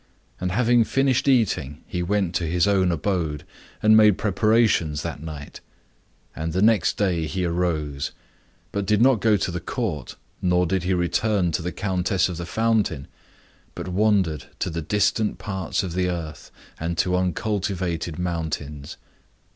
And having finished eating, he went to his own abode, and made preparations that night. And the next day he arose, but did not go to the court, nor did he return to the Countess of the Fountain, but wandered to the distant parts of the earth and to uncultivated mountains.